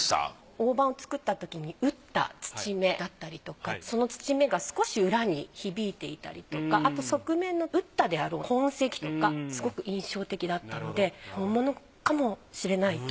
大判作ったときに打った槌目だったりとかその槌目が少し裏に響いていたりとかあと側面の打ったであろう痕跡とかすごく印象的だったので本物かもしれないと。